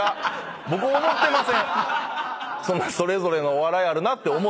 僕思ってません。